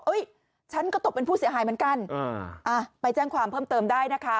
ฉันก็ตกเป็นผู้เสียหายเหมือนกันไปแจ้งความเพิ่มเติมได้นะคะ